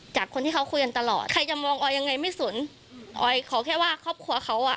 จากคนที่เขาคุยกันตลอดใครจะมองออยยังไงไม่สนออยขอแค่ว่าครอบครัวเขาอ่ะ